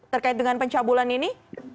terkait dengan pencabulan ini